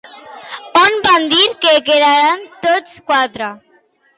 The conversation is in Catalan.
On van dir de quedar tots quatre?